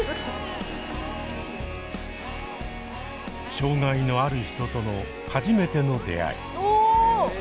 障害のある人との初めての出会い。